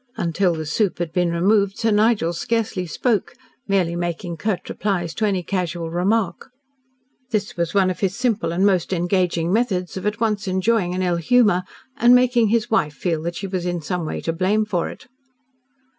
Until the soup had been removed, Sir Nigel scarcely spoke, merely making curt replies to any casual remark. This was one of his simple and most engaging methods of at once enjoying an ill humour and making his wife feel that she was in some way to blame for it.